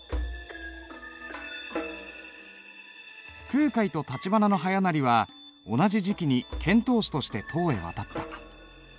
空海と橘逸勢は同じ時期に遣唐使として唐へ渡った。